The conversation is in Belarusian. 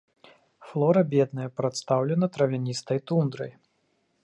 Флора бедная, прадстаўлена травяністай тундрай.